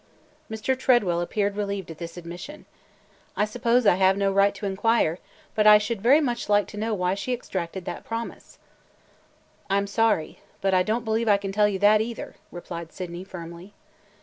Mr. Tredwell appeared relieved at this admission. "I suppose I have no right to inquire, but I should very much like to know why she extracted that promise." "I 'm sorry, but I don't believe I can tell you that, either," replied Sydney firmly.